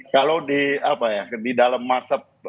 kalau di apa ya di dalam masa